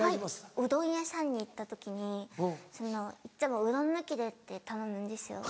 うどん屋さんに行った時にいつもうどん抜きでって頼むんですよ。